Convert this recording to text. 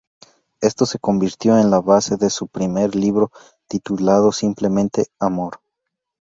Esto se convirtió en la base de su primer libro, titulado simplemente "Amor".